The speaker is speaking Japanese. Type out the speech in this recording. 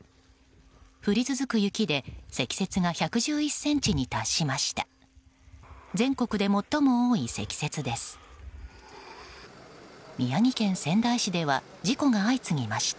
降り続く雪で積雪が１１１ｃｍに達しました。